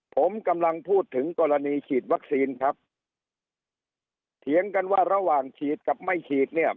ผมกำลังพูดถึงกรณีฉีดวัคซีนครับเถียงกันว่าระหว่างฉีดกับไม่ฉีดเนี่ย